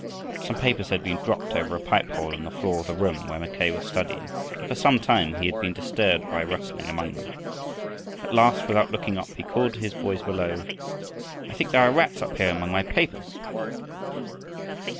Some papers had been dropped over a pipe hole in the floor of the room where Mackay was studying, and for some time he had been disturbed by a rustling among them. At last without looking up, he called to his boys below: "I think there are rats up here among my papers!"